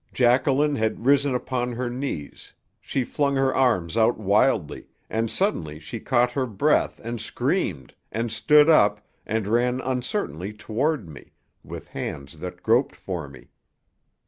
Jacqueline had risen upon her knees; she flung her arms out wildly, and suddenly she caught her breath and screamed, and stood up, and ran uncertainly toward me, with hands that groped for me.